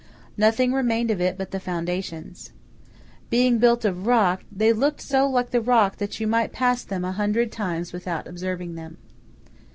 Nothing remained of it but the foundations. Being built of the rock, they looked so like the rock that you might pass them a hundred times without observing them.